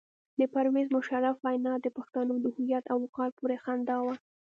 د پرویز مشرف وینا د پښتنو د هویت او وقار پورې خندا وه.